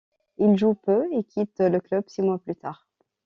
Il joue peu et quitte le club six mois plus tard.